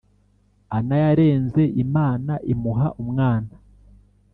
Ana yarenze Imana imuha umwana